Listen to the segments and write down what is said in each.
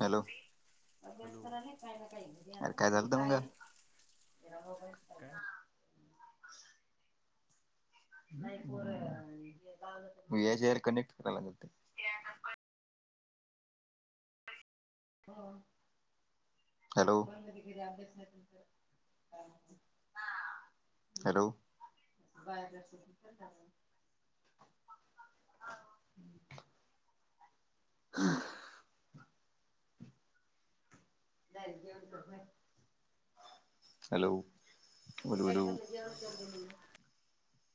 Hello hello अरे काय झालत आत मंग. काय [unintelligible] कनेक्ट कराय लागत. हो हॅलो हॅलो [inaudible] हॅलो [unintelligible]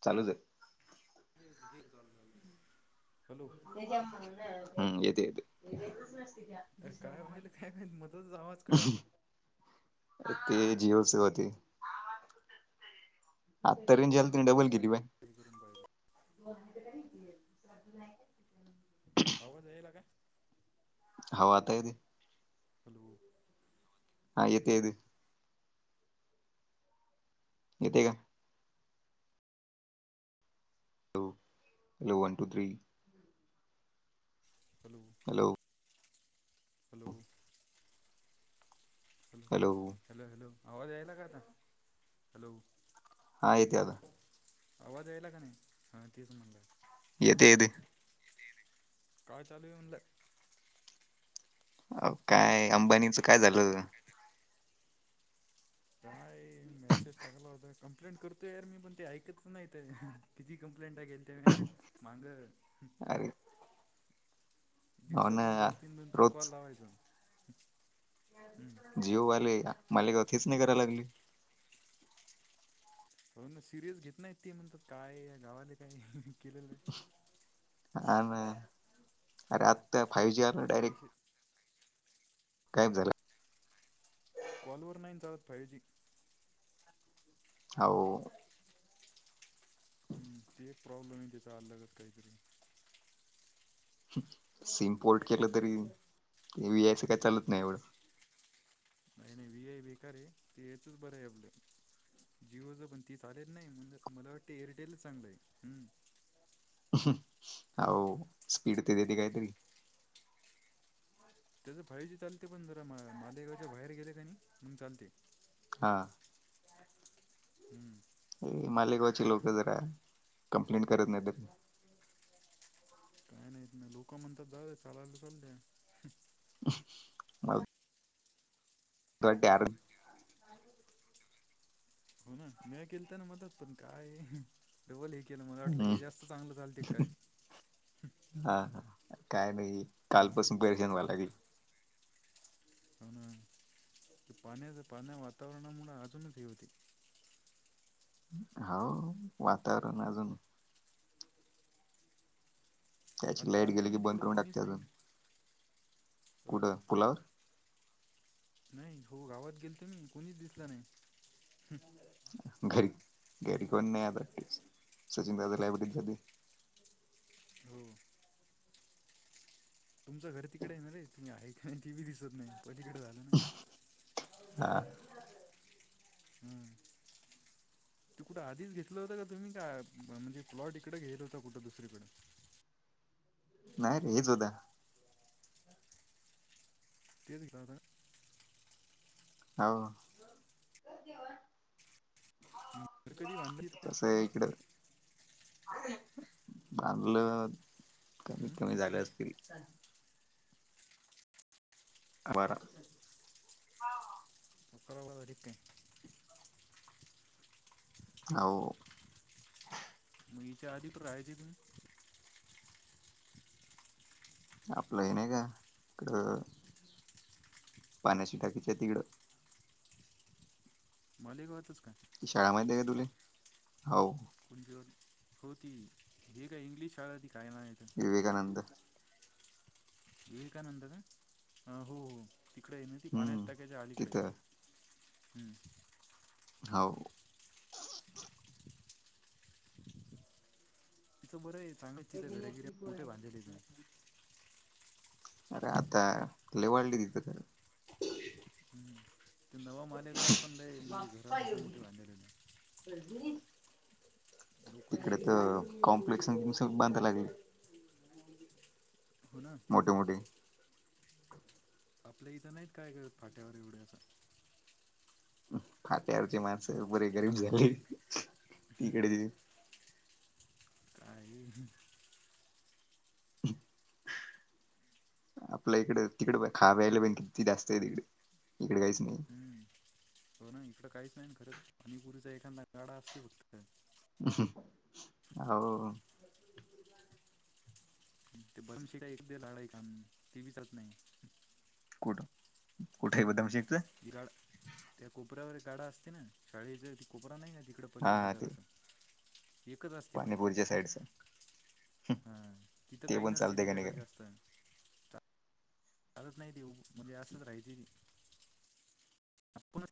चालूचयेत. हॅलो हम्म येते येते. अरे काय व्हालं काय माहीत, मध्येच आवाज कटाय अ ते जिओच [unintelligible] आत्ता रेंज आलती तिने डबल केली [unintelligible] ते करुन पाहीले. [unintelligible] आवाज येई लका? हा आता येते. हॅलो हा येतरे. येत का? Hello hello one two three. Hello hello hello hello hello hello आवाज यायला का आता, हॅलो हा येतोय आता. आवाज यायला का नाही. हा तेच म्हणला. येते येते. काय चालूये म्हणलं. अव काय अंबानीचं काय झालं. काय मेसेज टाकला होत,. कंप्लेंट करतोय यार मी पण ते ऐकतच नाहीतये. कीती कंप्लेंटा केलत्या ह मागं. अरे हो ना दीवसातून दोन तीन दोन तीन कॉल रोज लावायचा, हम्म जिओवाले आ, मला गवथीच नाय कराय लागली. होना ना सिरियस घेत नाहीत ते, म्हणतात काय गावाले काय केलेलं हाना ना, अरे आत्ता फाय जी आला आहे डायरेक्ट. पैसे गायब झाला. कॉल वर नाहीं चालत फाय जी. हावं हम्म ते एक प्रॉब्लेम आहे त्याचा अलगच काहीतरी. सिम्पोर्ट केलं तरी वी आय च काय चालत नाही एवढं. काय नाय वी आय बेकारे ये, येच बरं हाय आपल. जिओच पण ती चालत नाही, म्हणल मला वाटते एअरटेलच चांगलंय आहे. हम हो स्पीड ते देते काहीतरी... त्याच फायु जी चालते पण जरा मालेगावच्या बाहेर गेले का नाही मंग चालते. हां हम्म मालेगावची लोक जरा कंप्लेंट करत नाही तर, काय नाहीत नाही लोक म्हणतात द चालायला चालत्या [unintelligible] अ, तट्यार, हो ना, मै केलत्याना मदत पण काय ये डबल हे केलं, मला वाटलं हे जास्त चांगलं चालते काय, हा ह काय नाही हां कालपासून पैेशनवा [unintelligible] लागेल. हो ना पाण्या पाण्या वातावरणामुळें अजूनच ही होती. हो वातावरण अजून त्याॅचि आत्ता लाईट गेली आलतो की, मी बंद तिकडं करून कोणीच टाकते नाही अजून अ कुठं, पुलावर? नाही हो गावात गेलतो मी, कुणीच दिसला नाही. घरी घरी कोण नाही आल सचिन दादा लायब्ररीत [unintelligible] हो [unintelligible] तुमचं घर तिकडे आहे ना रे, तुम्ही आहे का नाही तीही दिसत नाही पलीकडे झालं. हम्म हा [unintelligible] ते कुठं आधीच घेतलं होतं का तुम्ही, काय म्हणजे प्लॉट इकडं घ्यायचा होता कुठं दुसरीकडें? नाही रे हेच होत. [unintelligible] ओ हम्म. घर कधी बांधलं तिथे कस आहे इकड? बांधलं कमी हम्म? कमी झाले असतील. बरं, [unintelligible] हो [unintelligible] मगच्या आधी राहायची [unintelligible] आपलं हे नाही का इकड पाण्याच्या, टाकीच्या तिकडं मालेगावात तच काय? शाळा माहितीये का तुजी? हो. [unintelligible] होती हे काय इंग्लिश शाळा ती काय नाही आहे तरं विवेकानंद! विवेकानंद का? हो हो तिकडे आहे ना ती पण्यास हम्म टाक्याच्या अलीकडे आहे. तिथं हम्म! हो. तिथं बरं आहे, चांगलंच तिथं घर घिरी मोठे बांधले आहे. अरे आता लवाढली तिथं खर. ते नवा मालेगावात पण लय ये म्हणजे घर मोठे मोठे बांधलेले. [unintelligible] लोक तिकडे दिसत नाहीत पण तर कॉम्प्लेक्स बांधायलागेलत. हो ना. मोठे मोठे आपल्या इथं नाहीत काय करत फाट्यावर एवढं आता. फाट्यावरचे माणस बरे गरीब झाले तिकडे काहीही [inaudible] आपल्या इकडं तिकड खायाप्यायला पण किती त जास्त आहे तिकडे इकडे काहीच नाही हम्म तो नाही इकडं काहीच नाही करंत पाणीपुरीचा एखादा गाडा असते फक्त हम होव ते [unintelligible] काम ते बी करत नाही कुठ कुठे आहे बदमशेकचं ती गाड त्या कोपऱ्यावर एक गाडा असते ना शाळेच त कोपरा नाही ना तिकडं पलीकडं हा ते जरासा एकच असते पण ते पाणीपुरीच्या साईडच हा तिथं ते काही पण नसती चालते का नाही तिच्याकडे काय जास्त चालत नाही ते म्हणजे असंच राहायची ते आपणच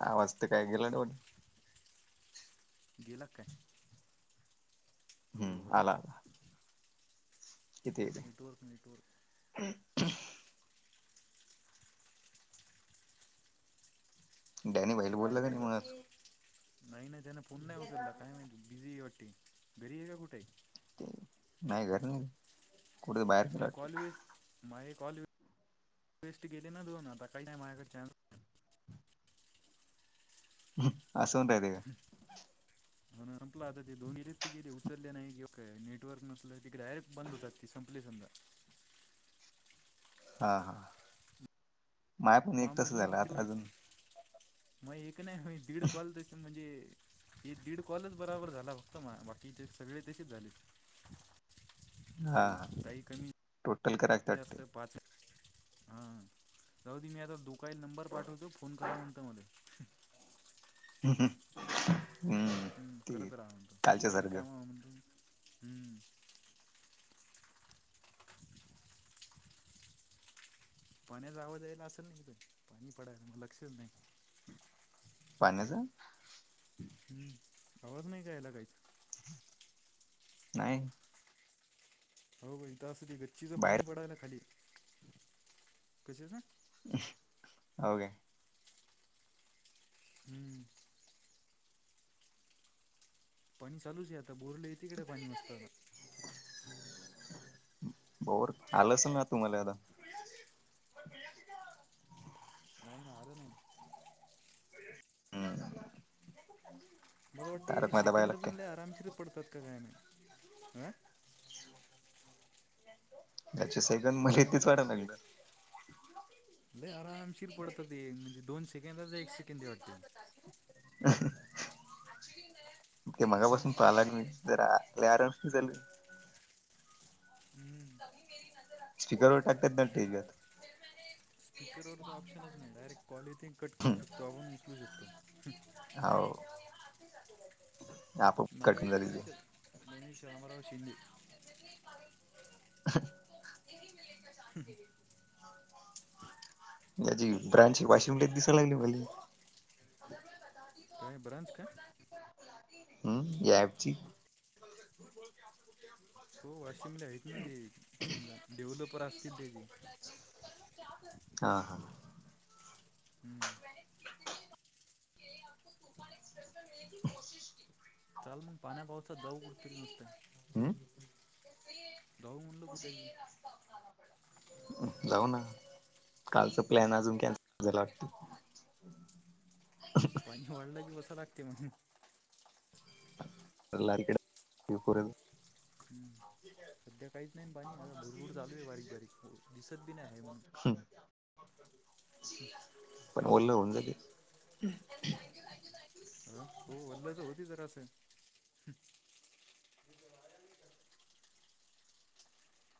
हा वाजत काय गेलं [unintelligible] गेला का काय हॅलो हम्म हॅलो आला किती आहे नेटवर्क नेटवर्क ते [unintelligible] डॅनी भाईला बोललं का आमच्या नाही तर मगं आज नाही ना त्यानं फोन नाही उचलला काय माहिती बिझी आहे वाटते घरी आहे का कुठे आहे नाय घरी नाय मय कॉल वेस्ट माहे कॉल वेस्ट गेले ना दोन आता काही नाही माझ्याकडे चान्स [unintelligible] असं म्हणता येते का? होण संपलं आता ते दोनी वेस्ट गेले उचलले नाही कि का नेटवर्क नसल ती डायरेट बंद होत आसतेत संपली समाजा हा हा माय पण मग एक तासच मधून झालं फक्त आता अजून मग एक नाही दीड कॉल त म्हणजे हे दीड कॉलच बराबर झाला फक्त मा बाकीचे सगळे तसेच झाले हा हा काही काही कमी टोटल करा जास्त पाच [inaudible] हा जाऊदे मि आता दु त काही नंबर पाठवतो फोन करा म्हणंतो मला हं हं हम्म करत राहा म्हणतो सारखं कामा म्हणतो मी हम्म पाण्याचा आवाज यायला असेल नाही इथं पाणी पडायला माझ लक्षच नाही पाण्याचा हम्म. आवाज नाही का यायला काहीच नाही. हो बघ इथं असं गच्चीच बाहेर पाणी पडायला खाली, कशाचं? हो काय हम्म. पाणी चालूच आहे आता बोरले येती तीकडे पाणी मस्त आता [unintelligible] बोर आलं असेल ना तुम्हाला आता नाही ना आलं नाही हम्म मला वाटतें याची तारक मेहता पाहायला सेकंद लागते पण लय आरामशीर पडतात का काय माहित अं? त्याचे सेगन मला काय झालं तेेच वाढाव लागले [unintelligible] लय आरामशीर पडत ते, म्हणजे दोन सेकंदाचा एक सेकंंद आहे वाटते ते. ते ना मगापासून पा आलात मी. [unintelligible] जरा लय आरामशीर झालं. हम्म. स्पीकर वर टाकतात ना टीव्हीत. स्पीकरवरचा ऑप्शनच नाही. डायरेक्ट कॉल इथे कट करू शकतो, आपण उचलू शकतो. हो. नाव कट होऊन येते जाते पण ते इथे गणेश रामराव शिंदे. [unintelligible] हम्म. त्याची ब्रांच वाशिम लय दिसायला लागली भाई. काय? ब्रांच काय? या ॲपची. हो वाशिम चे आहेत ना ते, समजा डेव्हलपर असतील त्याचेे. [inaudible] हा हा. [inaudible] हम् कल एक्सप्रेस मिलने की कोशिश की. चाल मग पाण्या भोवत जाऊ कुठतरी मस्त. हम्म. जाऊ म्हटलं कुठेतरी. जाऊ ना, कालच प्लॅन अजून कॅन्सल झाला वाटत. पाणी वळलं की वसं लागते म्हणून. [inaudible] [unintelligible] [inaudible] सध्या काहीच नाही पाणी, आता भुरभुर चालू आहे बारीक बारीक दिसत बी नाही आहे म्हणून. [inaudible] [inaudible] पण ओलं होऊन जाईल. [unintelligible] हो वल्ल तर होऊ दे जरासं हम् [unintelligible] [inaudible]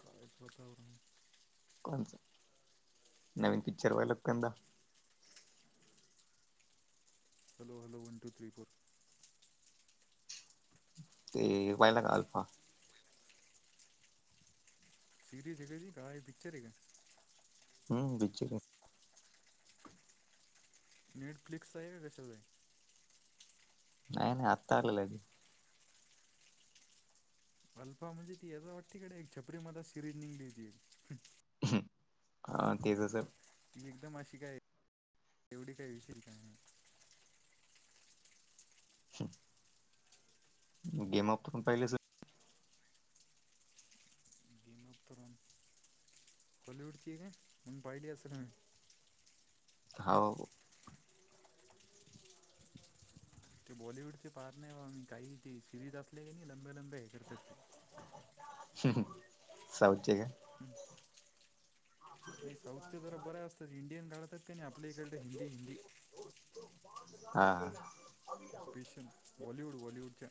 काय करताव [unintelligible] कोणचं? नवीन पिक्चर बघायलात कंदा. Hello hello one, two, three, four.. ते व्हायला का अल्फा? सिरीज आहे ती? काय पिक्चर आहे काय? हो पिक्चर हाय नेटफ्लिक्स आहे का? कशावर आहे? नाही नाही आत्ता आलेलं अल्फा म्हणजे ती ह्याचा वाटते छत्री मध्ये सिरीज निघली होती. हम्म हा तेच सर ती एकदम अशी काय एवढी काय विशील का नाही हम्म. [unintelligible] पाहली च गेमतरन हॉलीवुड ची [unintelligible] काय मग पाहिली असाल. हाऊ.. ते बॉलिवूडचे पार नाही बा मी काही ते सिरीज असले की नाही लंब्या लंब्या हे करतात अच्छा साऊथ चे काय? हम.. नाही साऊथचे जरा बरे असतात इंडियन काढतात ते नाही आपल्या इकड हिंदी हिंदी [inaudible] हं स्पेशल बॉलिवूड व्हालिवूडच्या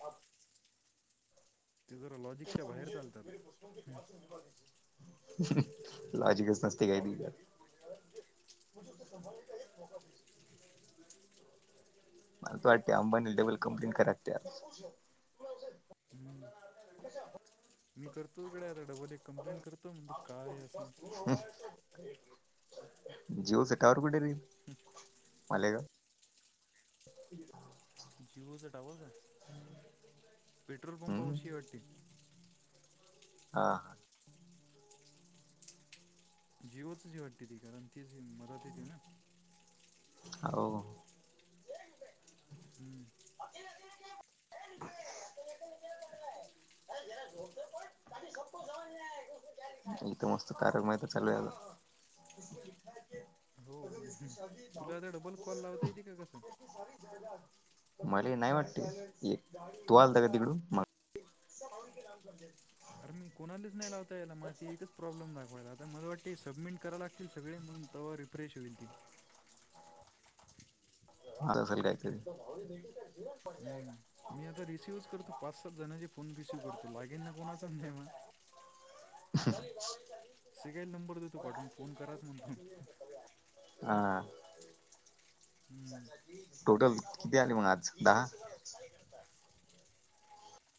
ते जरा लॉजिकच्या बाहेर चालतात ना लाॉजिकच नसते काय मले तर वाटते अंबानी डबल कम्प्लीट करा त्या मी करतो तकडे आता डबल एक कम्प्लेंट करतोय म्हण तो काय आहे असं हम्म.. जिओ चा टॉवर कुठे रहील मले का [inaudible] जिवोचा टावर का? पेट्रोल हम्म पंपाबशी आहे वाटतील हं.. जियो आहेत वाटते ती कारण ती मदत येते ना होऊ हम... [inaudible] [inaudible] इथ मस्त कार्यक्रम चालू झालं.. [inaudible] हो तुला आता डबल कॉल लावता येते का कसं? [inaudible] मले नाय वाटते तुम्हाला येतंय का तिकडून - [inaudible] अरे मी कोणालीच नाही लावतायला माहिती एकच प्रॉब्लेम दाखवायला आता मलां वाटतं सबमिट कराय लागतील सगळे मग तवा रिफ्रश होईल हम्म [inaudible] मी आता रिसिव्हच करतो पाच सात जणांचे फोन रिसीव्ह करतो लागेल ना कोणाचा नाही म अ [inaudible] सगळ्यांनाच नंबर देतो पाठवून फोन कराच म्हणतो.. हा हम.. टोटल किती आले मग आज दहा